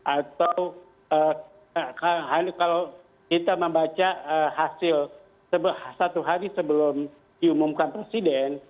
atau kalau kita membaca hasil satu hari sebelum diumumkan presiden